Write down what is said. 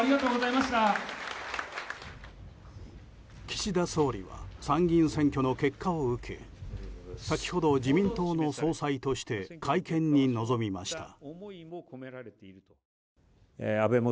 岸田総理は参議院選挙の結果を受け先ほど、自民党の総裁として会見に臨みました。